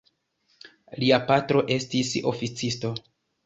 Lia patro estis oficisto.